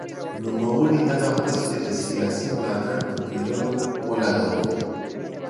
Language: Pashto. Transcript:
نوموړي دغه مرستې د سیاسي ملاتړ په پېرلو ولګولې.